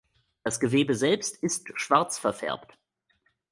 Das Gewebe selbst ist schwarz verfärbt.